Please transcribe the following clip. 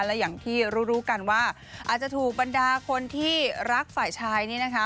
และอย่างที่รู้รู้กันว่าอาจจะถูกบรรดาคนที่รักฝ่ายชายนี่นะคะ